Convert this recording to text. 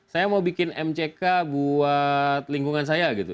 saya mau bikin mck buat lingkungan saya gitu